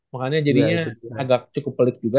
makanya jadinya agak cukup pelik juga